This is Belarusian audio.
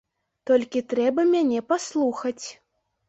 Толькі трэба мяне паслухаць.